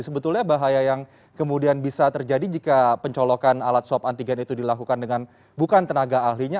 sebetulnya bahaya yang kemudian bisa terjadi jika pencolokan alat swab antigen itu dilakukan dengan bukan tenaga ahlinya